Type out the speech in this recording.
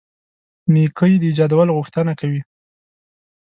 نېکۍ د ایجادولو غوښتنه کوي.